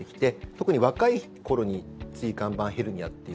特に若い頃に椎間板ヘルニアっていう。